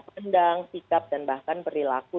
pandang sikap dan bahkan perilaku